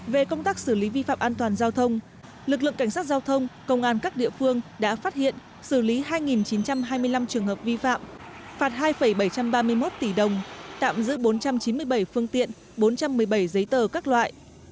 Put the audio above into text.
về công tác xử lý vi phạm an toàn giao thông lực lượng cảnh sát giao thông công an các địa phương đã phát hiện xử lý hai chín trăm hai mươi năm trường hợp vi phạm phạt hai bảy trăm ba mươi một tỷ đồng tạm giữ bốn trăm chín mươi bảy phương tiện bốn trăm một mươi bảy giấy tờ các loại